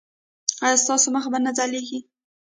ایا ستاسو مخ به نه ځلیږي؟